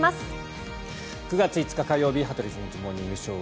９月５日、火曜日「羽鳥慎一モーニングショー」。